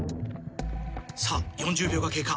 さぁ４０秒が経過。